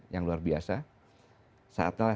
yang luar biasa saatnya